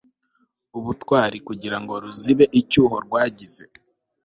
ubutwari kugirango ruzibe icyuho rwagize